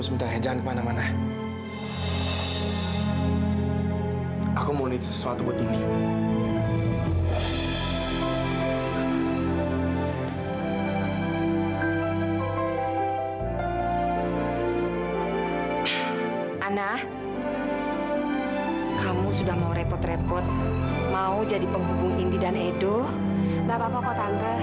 sampai jumpa di video selanjutnya